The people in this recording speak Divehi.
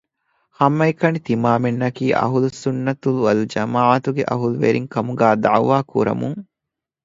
ހަމައެކަނި ތިމާމެންނަކީ އަހުލު ސުއްނަތު ވަލްޖަމާޢަތުގެ އަހުލުވެރިން ކަމުގައި ދަޢުވާ ކުރަމުން